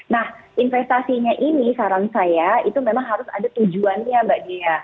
nah investasinya ini saran saya itu memang harus ada tujuannya mbak dea